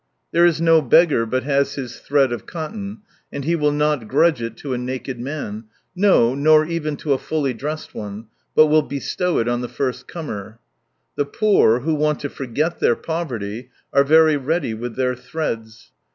There is no beggar but has his thread of cotton, and he will not grudge it to a naked man — no, nor even to a fully dressed one ; but will bestow it on the first comer. The poor, who want to forget their poverty, are very ready with their threads.